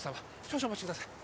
少々お待ちください。